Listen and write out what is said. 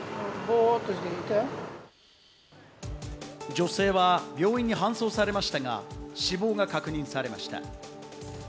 女性は病院に搬送されましたが死亡が確認されました。